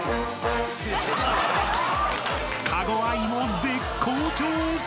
［加護亜依も絶好調］